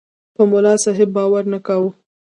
په ملاصاحب باور نه کاوه.